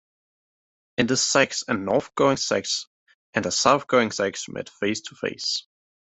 In The Zax, a north-going Zax and a south-going Zax meet face to face.